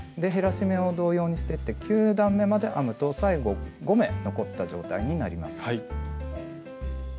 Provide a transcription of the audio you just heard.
減らし目を同様にしていって９段めまで編むと最後５目残った状態になります。